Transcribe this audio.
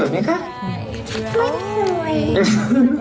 ไม่สวยครับ